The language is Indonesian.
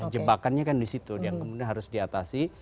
jebakannya kan di situ yang kemudian harus diatasi